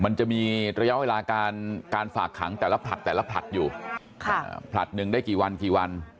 มันจะมีระยะเวลาการฝากขังแต่ละผลัดแต่ละผลัดอยู่ผลัดหนึ่งได้กี่วันกี่วัน